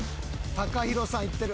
ＴＡＫＡＨＩＲＯさん行ってる。